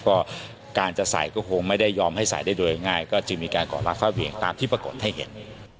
ก็การจะใส่ก็คงไม่ได้ยอมให้ใส่ได้โดยง่ายก็จึงมีการก่อละค่าเพียงตามที่ปรากฏให้เห็น